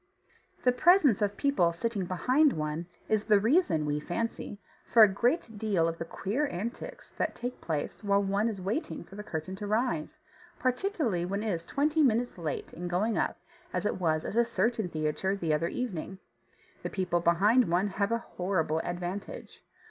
The presence of people sitting behind one is the reason (we fancy) for a great deal of the queer antics that take place while one is waiting for the curtain to rise, particularly when it is twenty minutes late in going up as it was at a certain theatre the other evening. People behind one have a horrible advantage.